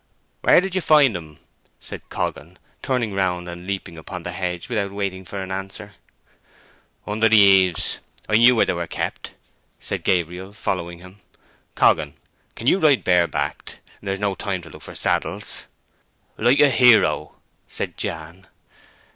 "Where did you find 'em?" said Coggan, turning round and leaping upon the hedge without waiting for an answer. "Under the eaves. I knew where they were kept," said Gabriel, following him. "Coggan, you can ride bare backed? there's no time to look for saddles." "Like a hero!" said Jan.